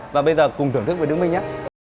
và bây giờ cùng thưởng thức với đức minh nhé